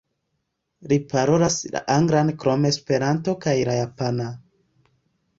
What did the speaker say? Li parolas la anglan krom esperanto kaj la japana.